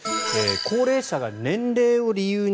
高齢者が年齢を理由に